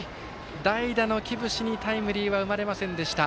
代打の木伏にタイムリーは生まれませんでした。